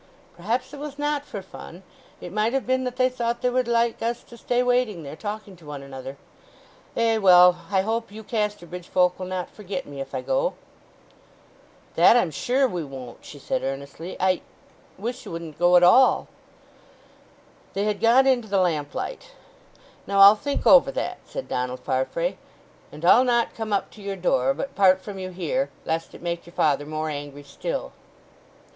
"Perhaps it was not for fun. It might have been that they thought they would like us to stay waiting there, talking to one another? Ay, well! I hope you Casterbridge folk will not forget me if I go." "That I'm sure we won't!" she said earnestly. "I—wish you wouldn't go at all." They had got into the lamplight. "Now, I'll think over that," said Donald Farfrae. "And I'll not come up to your door; but part from you here; lest it make your father more angry still."